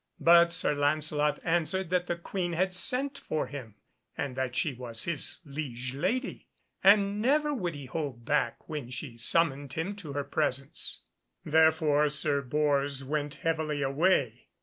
But Sir Lancelot answered that the Queen had sent for him, and that she was his liege lady, and never would he hold back when she summoned him to her presence. Therefore Sir Bors went heavily away.